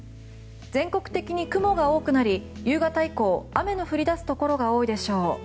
全国的に雲が多くなり夕方以降雨の降り出すところが多いでしょう。